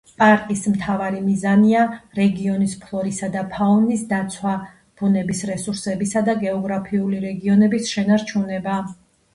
პარკის მთავარი მიზანია რეგიონის ფლორისა და ფაუნის დაცვა, ბუნების რესურსებისა და გეოგრაფიული რეგიონის შენარჩუნება.